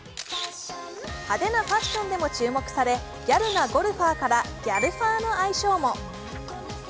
派手なファッションでも注目され、ギャルなゴルファーからギャルファーの愛称も。